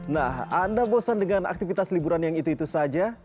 nah anda bosan dengan aktivitas liburan yang itu itu saja